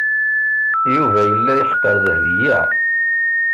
Yuba yella yeḥqer Dahbiya.